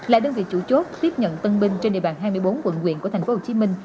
là đơn vị chủ chốt tiếp nhận tân binh trên địa bàn hai mươi bốn quận quyện của tp hcm